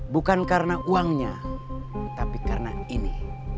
bukan karena uangnya tapi karena ini